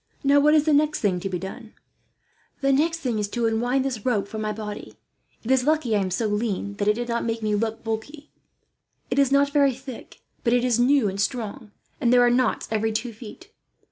Now, what is the next thing to be done?" "The next thing is to unwind this rope from my body. It is lucky I am so lean that it did not make me look bulky. It is not very thick, but it is new and strong, and there are knots every two feet.